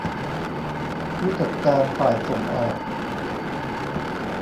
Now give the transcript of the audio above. ผู้จัดการฝ่ายส่งออก